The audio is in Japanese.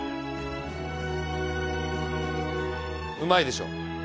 うまいでしょ？